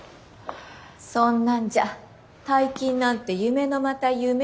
そんなんじゃ大金なんて夢のまた夢よ。